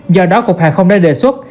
do đó cục hàng không đã đề xuất